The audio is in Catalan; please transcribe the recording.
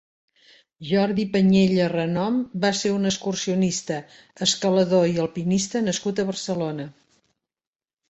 Jordi Panyella Renom va ser un excursionista, escalador i alpinista nascut a Barcelona.